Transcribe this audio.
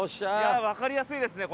わかりやすいですね。